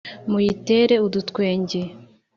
muyitere udutwenge